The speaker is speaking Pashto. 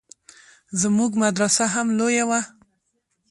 زموږ مدرسه هم لويه وه.